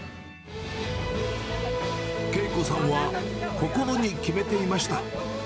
恵子さんは心に決めていました。